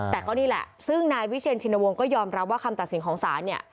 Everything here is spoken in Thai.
แต่ก็นี่แหละซึ่งนายวิเชียนชินวงศ์ก็ยอมรับว่าคำตัดสินของศาลเนี่ย